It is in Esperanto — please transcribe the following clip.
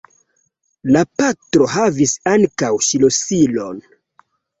La patro havis ankaŭ ŝlosilon.